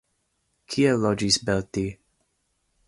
Kie loĝis Belti?